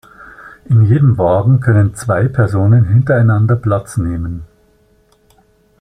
In jedem Wagen können zwei Personen hintereinander Platz nehmen.